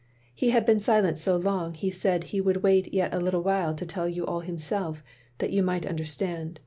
He had been silent so long he said he would wait yet a little while to tell you all himself, that you might understand.